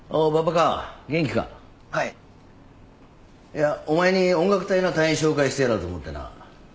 いやお前に音楽隊の隊員紹介してやろうと思ってな。